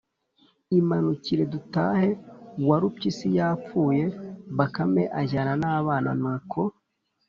“imanukire dutahe, warupyisi yapfuye” bakame ajyana n’abana, nuko